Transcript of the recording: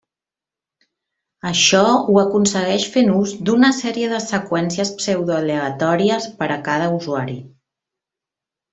Això ho aconsegueix fent ús d'una sèrie de seqüències pseudoaleatòries per a cada usuari.